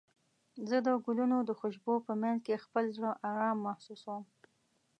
زه د ګلونو د خوشبو په مینځ کې خپل زړه ارام محسوسوم.